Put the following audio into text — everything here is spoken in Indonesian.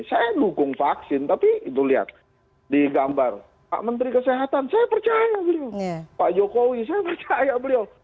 saya dukung vaksin tapi itu lihat di gambar pak menteri kesehatan saya percaya beliau pak jokowi saya percaya beliau